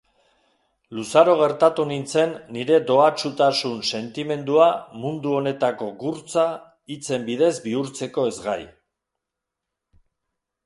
Luzaro gertatu nintzen nire dohatsutasun sentimendua mundu honetako gurtza hitzen bidez bihurtzeko ezgai.